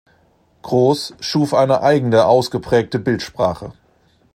Gross schuf eine eigene ausgeprägte Bildsprache.